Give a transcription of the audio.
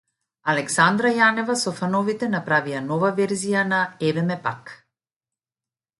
Александра Јанева со фановите направија нова верзија на „Еве ме пак“